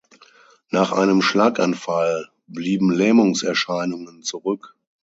Nach einem Schlaganfall blieben Lähmungserscheinungen zurück.